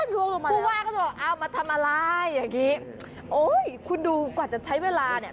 ผู้ว่าก็บอกเอามาทำอะไรอย่างนี้โอ้ยคุณดูกว่าจะใช้เวลาเนี่ย